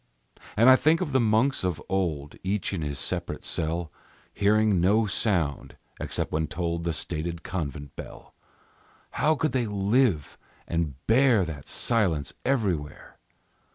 And I think of the monks of old, Each in his separate cell, Hearing no sound, except when tolled The stated convent bell. How could they live and bear that silence everywhere?